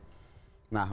nah oleh sebab itu